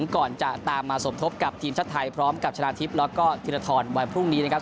ก่อนจะตามมาสมทบกับทีมชาติไทยพร้อมกับชนะทิพย์แล้วก็ธิรทรวันพรุ่งนี้นะครับ